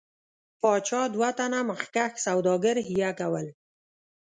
پاچا دوه تنه مخکښ سوداګر حیه کول.